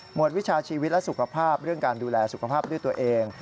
วิชาชีวิตและสุขภาพเรื่องการดูแลสุขภาพด้วยตัวเอง